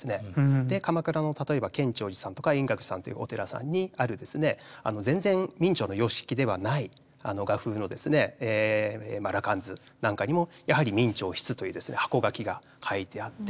鎌倉の例えば建長寺さんとか円覚寺さんというお寺さんにある全然明兆の様式ではない画風の「羅漢図」なんかにもやはり「明兆筆」という箱書きが書いてあって。